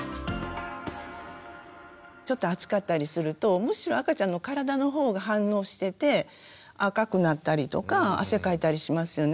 ちょっと暑かったりするとむしろ赤ちゃんの体の方が反応してて赤くなったりとか汗かいたりしますよね。